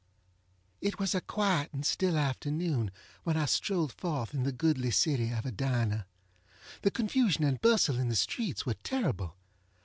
It was a quiet and still afternoon when I strolled forth in the goodly city of Edina. The confusion and bustle in the streets were terrible.